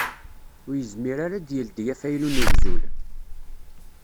Ur yezmir ara ad d-yeldi afaylu n ugzul.